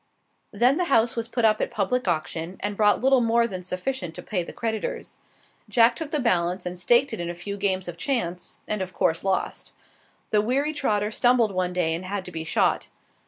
Then the house was put up at public auction, and brought little more than sufficient to pay the creditors. Jack took the balance and staked it in a few games of chance, and of course lost. The weary trotter stumbled one day and had to be shot.